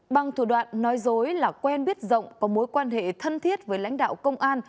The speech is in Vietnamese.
bằng thủ đoạn nói dối là quen biết rộng có mối quan hệ thân thiết với lãnh đạo công an